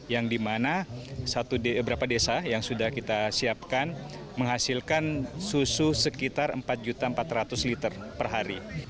yang dimana beberapa desa yang sudah kita siapkan menghasilkan susu sekitar empat empat ratus liter per hari